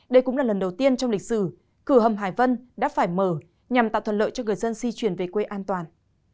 đây cũng là lần đầu tiên trong lịch sử cửa hầm hải vân đã phải mở nhằm tạo thuận lợi cho người dân di chuyển về quê an toàn